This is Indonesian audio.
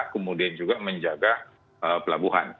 kemudian juga menjaga pelabuhan